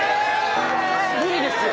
無理ですよ。